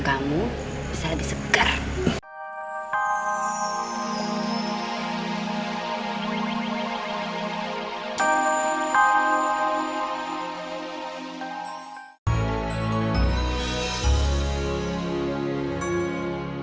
kamu bisa lebih segar oh oh oh